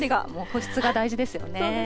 保湿が大事ですよね。